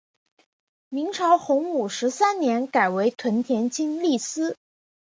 明朝洪武十三年改为屯田清吏司。